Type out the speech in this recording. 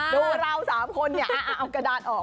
เรา๓คนเนี่ยเอากระดานออก